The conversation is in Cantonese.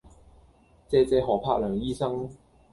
謝謝何栢良醫生